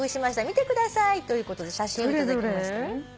「見てください」ということで写真を頂きました。